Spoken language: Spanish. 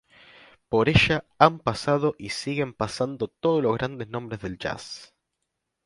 Por ella han pasado y siguen pasando todos los grandes nombres del jazz.